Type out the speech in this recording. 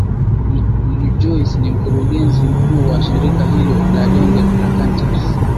n joyce ni mkurugenzi mkuu wa shirika hilo la ndege la kantas